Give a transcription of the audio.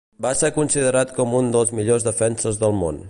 Va ser considerat com un dels millors defenses del món.